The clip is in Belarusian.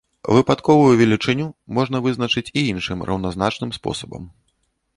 Выпадковую велічыню можна вызначыць і іншым раўназначным спосабам.